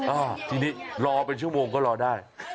อ่าทีนี้รอเป็นชั่วโมงก็รอได้